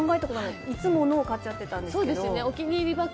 いつも同じものを買っちゃってたんですけど。